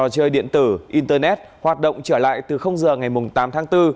chơi điện tử internet hoạt động trở lại từ giờ ngày tám tháng bốn